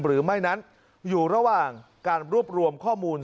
หรือไม่นั้นอยู่ระหว่างการรวบรวมข้อมูล